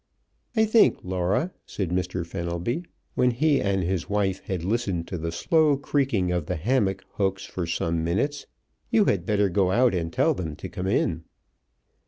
"I think, Laura," said Mr. Fenelby, when he and his wife had listened to the slow creaking of the hammock hooks for some minutes, "you had better go out and tell them to come in."